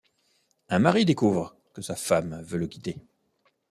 Un mari découvre que sa femme veut le quitter.